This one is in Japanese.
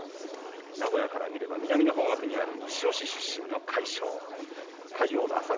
名古屋から見れば南方角になる西尾市出身の魁勝。